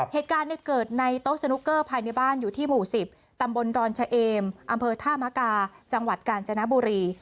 เหตุการณ์เกิดในโต๊ะสนุกเกอร์ภายในบ้านอยู่ที่หมู่๑๐ตำบลดอนชะเอมอำเภอท่ามกาจังหวัดกาญจนบุรี